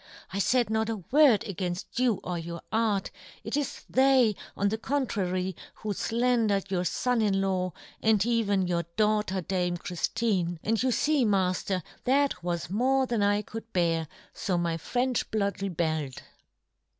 " I faid " not a word againft you or your art ;" it is they, on the contrary, who " flandered your fon in law, and even " your daughter dame Chriftine ; and " you fee, mafter, that was more " than I could bear, fo my French " blood rebelled."